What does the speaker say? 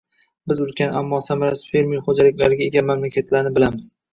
Biz ulkan, ammo samarasiz fermer xo‘jaliklariga ega mamlakatlarni bilamiz.